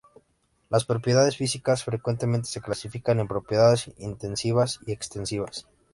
Las propiedades físicas frecuentemente se clasifican en propiedades intensivas y extensivas.